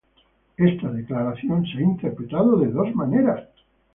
Esta declaración se ha interpretado de dos maneras.